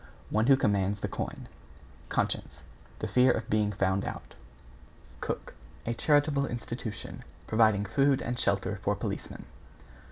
One who commands the coin. =CONSCIENCE= The fear of being found out. =COOK= A charitable institution, providing food and shelter for Policemen.